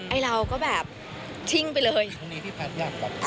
ไอ้เราก็แบบทิ้งไปเลย